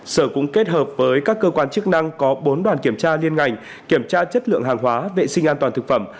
sở cũng kết hợp với các cơ quan chức năng có bốn đoàn kiểm tra liên ngành kiểm tra chất lượng hàng hóa vệ sinh an toàn thực phẩm